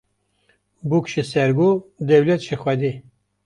Bûk ji sêrgo dewlet ji Xwedê